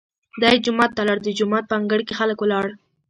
دی جومات ته لاړ، د جومات په انګړ کې خلک ولاړ.